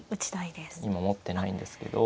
今持ってないんですけど。